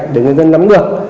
để người dân nắm được